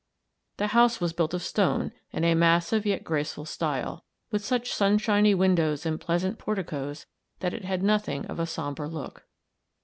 The house was built of stone, in a massive yet graceful style; with such sunshiny windows and pleasant porticoes that it had nothing of a somber look.